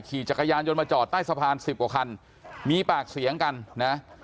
ขี่จักรยานยนต์มาจอดใต้สะพานสิบกว่าคันมีปากเสียงกันนะ